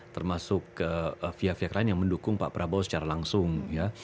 termasuk via via kelain yang mendukung pak prabowo secara langsung ya